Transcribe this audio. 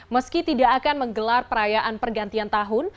meski tidak akan menggelar perayaan pergantian tahun